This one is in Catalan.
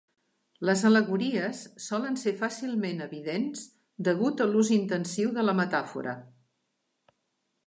Les al·legories solen ser fàcilment evidents degut a l'ús intensiu de la metàfora.